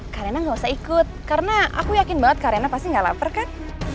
karena gak usah ikut karena aku yakin banget karena pasti gak lapar kan